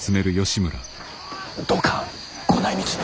どうかご内密に。